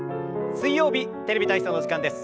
水曜日「テレビ体操」の時間です。